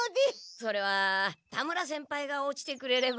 それは田村先輩が落ちてくれれば。